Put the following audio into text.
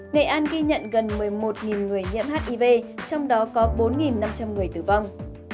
nghệ an ghi nhận gần một mươi một người nhiễm hiv trong đó có bốn năm trăm linh người tử vong